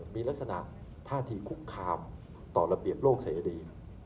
มีลักษณะท่าทีคุกคามต่อระเบียบโลกเสรี